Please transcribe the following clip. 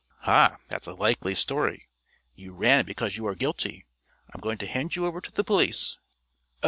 "Ha! That's a likely story! You ran because you are guilty! I'm going to hand you over to the police."